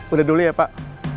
udah dulu ya pak